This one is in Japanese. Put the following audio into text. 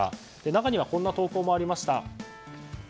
中にはこんな投稿もありました。